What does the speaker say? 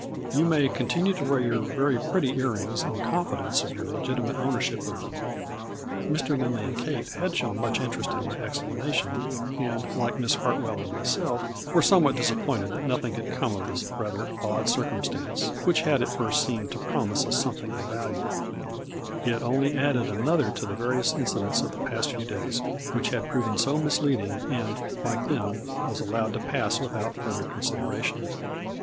You may continue' to wear your very pretty ear rings in confidence of your legitimate ownership of them," A FLUBBY IN DIAMONDS . 179 Mr. Lindley and Kate had shown much in terest in my explanation, and, like Miss Hartwell and myself, were somewhat disappointed that nothing had come of this rather odd circum stance, which had at first seemed to promise us something of value. It only added another to the various incidents of the past few days which had proven so misleading and, like them, was allowed to pass without further consideration.